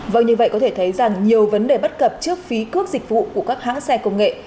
vâng như vậy có thể thấy rằng nhiều vấn đề bất cập trước phí cước dịch vụ của các hãng xe công nghệ